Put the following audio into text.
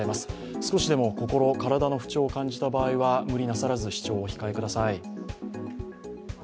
少しでも心、体の不調を感じた場合は無理なさらず視聴をお控えください。